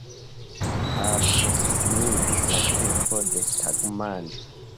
Alproksimiĝis la tempo de tagmanĝo.